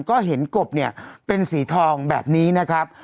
ก็เห็นกบเนี่ยเป็นสีทองแบบนี้นะครับ